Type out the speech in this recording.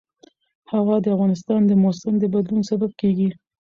هوا د افغانستان د موسم د بدلون سبب کېږي.